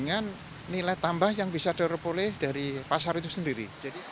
dengan nilai tambah yang bisa diperoleh dari pasar itu sendiri